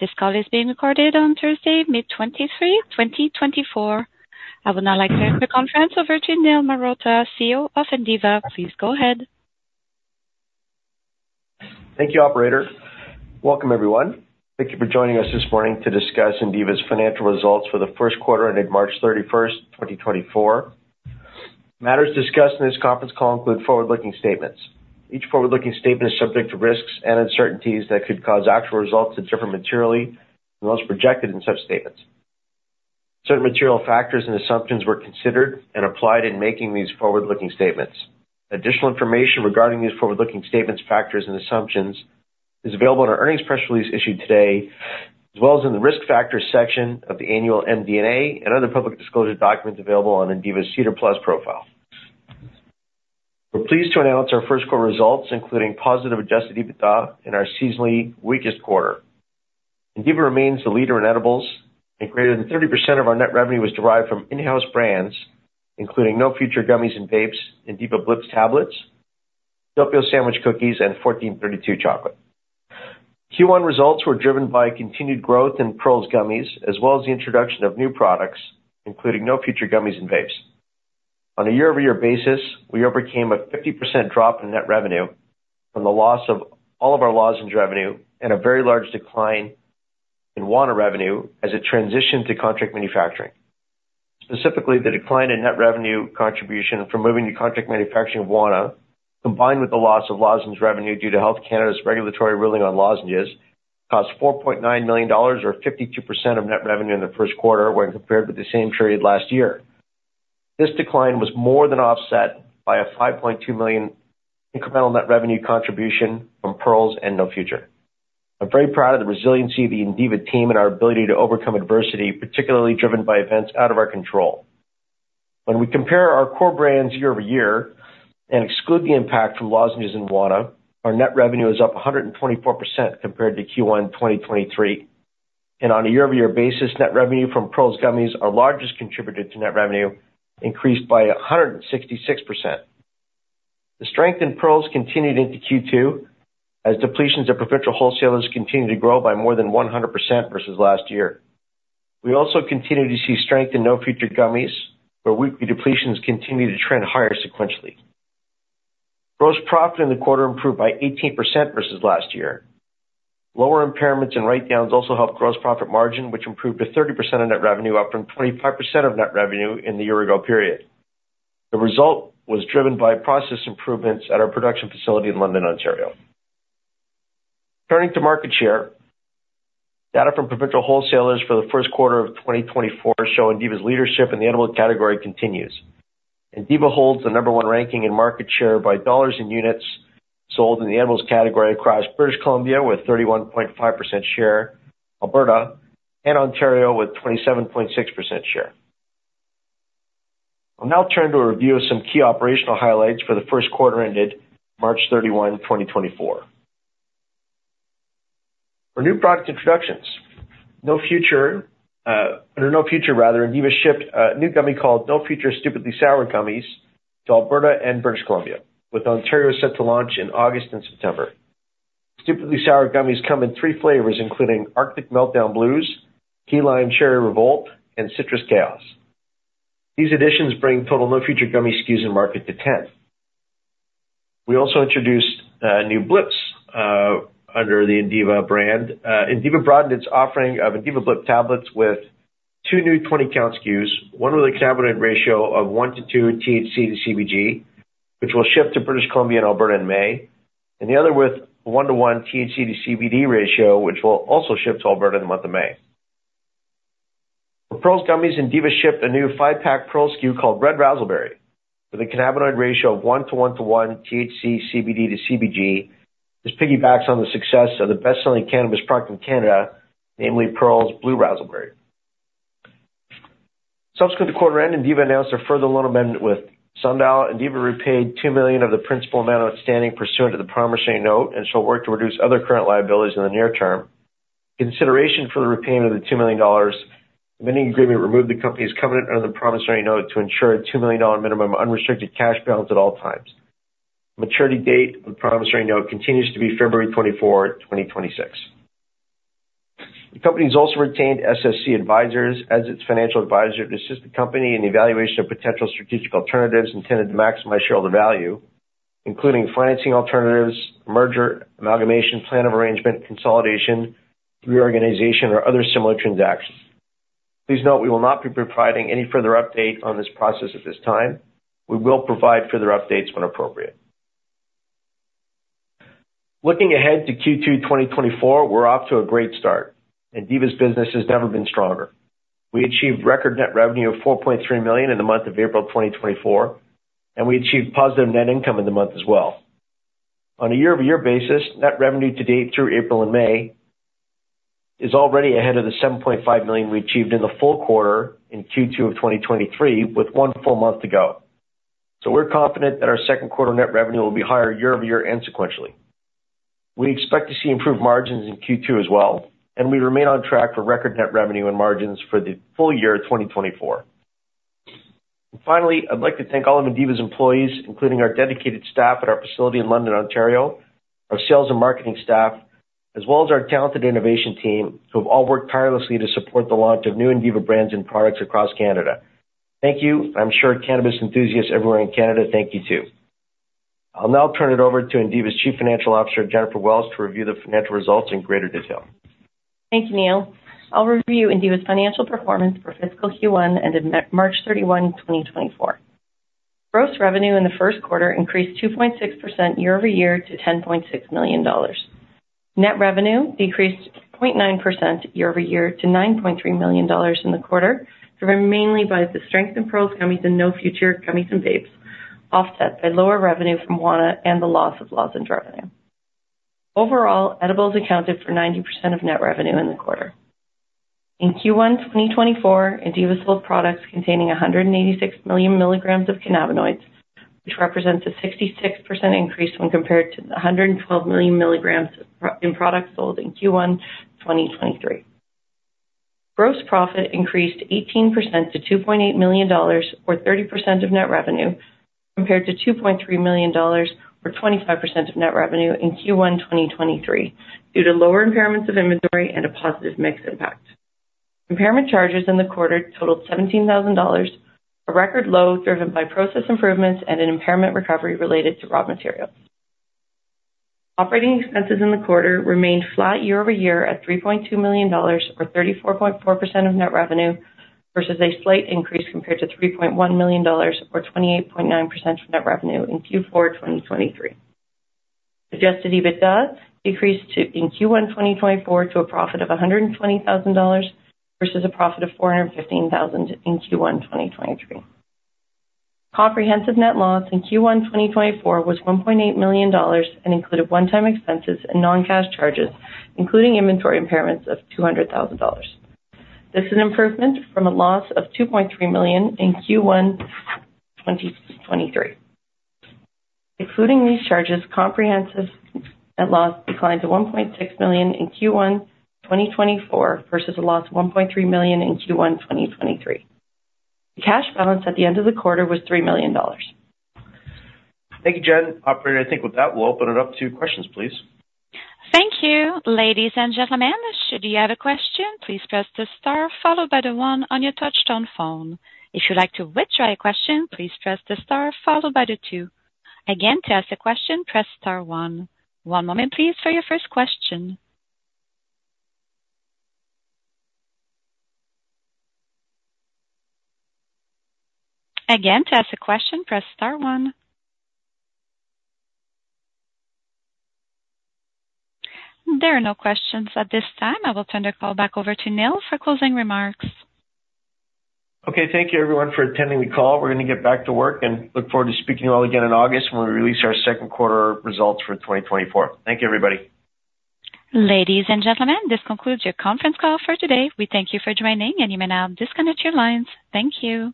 This call is being recorded on Thursday, May 23, 2024. I would now like to turn the conference over to Niel Marotta, CEO of Indiva. Please go ahead. Thank you, operator. Welcome, everyone. Thank you for joining us this morning to discuss Indiva's financial results for the first quarter ended March 31, 2024. Matters discussed in this conference call include forward-looking statements. Each forward-looking statement is subject to risks and uncertainties that could cause actual results to differ materially from those projected in such statements. Certain material factors and assumptions were considered and applied in making these forward-looking statements. Additional information regarding these forward-looking statements, factors, and assumptions is available in our earnings press release issued today, as well as in the Risk Factors section of the annual MD&A and other public disclosure documents available on Indiva's SEDAR+ profile. We're pleased to announce our first quarter results, including positive Adjusted EBITDA in our seasonally weakest quarter. Indiva remains the leader in edibles, and greater than 30% of our net revenue was derived from in-house brands, including No Future gummies and vapes, Indiva Blips tablets, Doppio sandwich cookies, and 1432 chocolate. Q1 results were driven by continued growth in Pearls gummies, as well as the introduction of new products, including No Future gummies and vapes. On a year-over-year basis, we overcame a 50% drop in net revenue from the loss of all of our lozenges revenue and a very large decline in Wana revenue as it transitioned to contract manufacturing. Specifically, the decline in net revenue contribution from moving to contract manufacturing of Wana, combined with the loss of lozenges revenue due to Health Canada's regulatory ruling on lozenges, $4.9 million, or 52% of net revenue in the first quarter when compared with the same period last year. This decline was more than offset by a $5.2 million incremental net revenue contribution from Pearls and No Future. I'm very proud of the resiliency of the Indiva team and our ability to overcome adversity, particularly driven by events out of our control. When we compare our core brands year over year and exclude the impact from lozenges and Wana, our net revenue is up 124% compared to Q1 2023, and on a year-over-year basis, net revenue from Pearls gummies, our largest contributor to net revenue, increased by 166%. The strength in Pearls continued into Q2 as depletions of provincial wholesalers continued to grow by more than 100% versus last year. We also continued to see strength in No Future Gummies, where weekly depletions continued to trend higher sequentially. Gross profit in the quarter improved by 18% versus last year. Lower impairments and write-downs also helped gross profit margin, which improved to 30% of net revenue, up from 25% of net revenue in the year-ago period. The result was driven by process improvements at our production facility in London, Ontario. Turning to market share, data from provincial wholesalers for the first quarter of 2024 show Indiva's leadership in the edibles category continues. Indiva holds the number one ranking in market share by dollars and units sold in the edibles category across British Columbia, with 31.5% share, Alberta, and Ontario, with 27.6% share. I'll now turn to a review of some key operational highlights for the first quarter ended March 31, 2024. For new product introductions, No Future, under No Future rather, Indiva shipped a new gummy called No Future Stupidly Sour gummies to Alberta and British Columbia, with Ontario set to launch in August and September. Stupidly Sour gummies come in three flavors, including Arctic Meltdown Blues, Key Lime Cherry Revolt, and Citrus Chaos. These additions bring total No Future gummy SKUs in market to 10. We also introduced new Blips under the Indiva brand. Indiva broadened its offering of Indiva Blip tablets with two new 20-count SKUs, one with a cannabinoid ratio of 1:2 THC to CBG, which will ship to British Columbia and Alberta in May, and the other with a 1:1 THC to CBD ratio, which will also ship to Alberta in the month of May. For Pearls Gummies, Indiva shipped a new five-pack Pearls SKU called Red Razzleberry, with a cannabinoid ratio of 1:1:1 THC, CBD to CBG. This piggybacks on the success of the best-selling cannabis product in Canada, namely Pearls Blue Razzleberry. Subsequent to quarter end, Indiva announced a further loan amendment with Sundial. Indiva repaid $2 million of the principal amount outstanding pursuant to the promissory note and shall work to reduce other current liabilities in the near term. Consideration for the repayment of the $2 million, the lending agreement removed the company's covenant under the promissory note to ensure a $2 million minimum unrestricted cash balance at all times. Maturity date of the promissory note continues to be February 24, 2026. The company has also retained SSC Advisors as its financial advisor to assist the company in the evaluation of potential strategic alternatives intended to maximize shareholder value, including financing alternatives, merger, amalgamation, plan of arrangement, consolidation, reorganization, or other similar transactions. Please note, we will not be providing any further update on this process at this time. We will provide further updates when appropriate. Looking ahead to Q2 2024, we're off to a great start. Indiva's business has never been stronger. We achieved record net revenue of $4.3 million in the month of April 2024, and we achieved positive net income in the month as well. On a year-over-year basis, net revenue to date through April and May is already ahead of the $7.5 million we achieved in the full quarter in Q2 of 2023, with one full month to go. We're confident that our second quarter net revenue will be higher year over year and sequentially. We expect to see improved margins in Q2 as well, and we remain on track for record net revenue and margins for the full year of 2024.... Finally, I'd like to thank all of Indiva's employees, including our dedicated staff at our facility in London, Ontario, our sales and marketing staff, as well as our talented innovation team, who have all worked tirelessly to support the launch of new Indiva brands and products across Canada. Thank you, and I'm sure cannabis enthusiasts everywhere in Canada thank you, too. I'll now turn it over to Indiva's Chief Financial Officer, Jennifer Welsh, to review the financial results in greater detail. Thank you, Niel. I'll review Indiva's financial performance for fiscal Q1, ended March 31, 2024. Gross revenue in the first quarter increased 2.6% year-over-year to $10.6 million. Net revenue decreased 0.9% year-over-year to $9.3 million in the quarter, driven mainly by the strength in Pearls gummies and No Future gummies and vapes, offset by lower revenue from Wana and the loss of lozenge revenue. Overall, edibles accounted for 90% of net revenue in the quarter. In Q1 2024, Indiva sold products containing 186 million milligrams of cannabinoids, which represents a 66% increase when compared to the 112 million milligrams in products sold in Q1 2023. Gross profit increased 18% to $2.8 million, or 30% of net revenue, compared to 2.3 million dollars, or 25% of net revenue in Q1 2023, due to lower impairments of inventory and a positive mix impact. Impairment charges in the quarter totaled 17,000 dollars, a record low driven by process improvements and an impairment recovery related to raw materials. Operating expenses in the quarter remained flat year-over-year at $3.2 million, or 34.4% of net revenue, versus a slight increase compared to $3.1 million, or 28.9% of net revenue in Q4 2023. Adjusted EBITDA decreased to, in Q1 2024, to a profit of $120,000 versus a profit of $415,000 in Q1 2023. Comprehensive net loss in Q1 2024 was $1.8 million and included one-time expenses and non-cash charges, including inventory impairments of $200,000. This is an improvement from a loss of $2.3 million in Q1 2023. Excluding these charges, comprehensive net loss declined to $1.6 million in Q1 2024 versus a loss of $1.3 million in Q1 2023. The cash balance at the end of the quarter was $3 million. Thank you, Jen. Operator, I think with that, we'll open it up to questions, please. Thank you. Ladies and gentlemen, should you have a question, please press the star followed by the one on your touchtone phone. If you'd like to withdraw your question, please press the star followed by the two. Again, to ask a question, press star one. One moment, please, for your first question. Again, to ask a question, press star one. There are no questions at this time. I will turn the call back over to Niel for closing remarks. Okay, thank you, everyone, for attending the call. We're gonna get back to work and look forward to speaking to you all again in August, when we release our second quarter results for 2024. Thank you, everybody. Ladies and gentlemen, this concludes your conference call for today. We thank you for joining, and you may now disconnect your lines. Thank you.